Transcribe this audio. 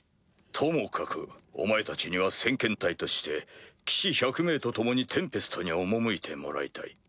ともかくお前たちには先遣隊として騎士１００名と共にテンペストに赴いてもらいたい。